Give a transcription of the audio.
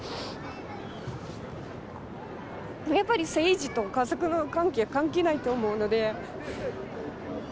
やっぱり政治と家族の関係は関係ないと思うので。